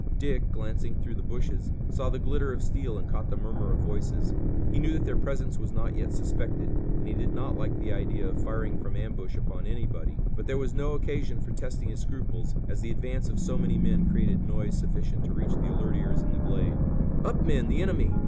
Dick, glancing through the bushes, saw the glitter of steel and caught the murmur of voices. He knew that their presence was not yet suspected, and he did not like the idea of firing from ambush upon anybody, but there was no occasion for testing his scruples, as the advance of so many men created noise sufficient to reach the alert ears in the glade. "Up, men! The enemy!"